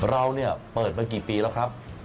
เราเนี่ยเปิดมากี่ปีแล้วครับ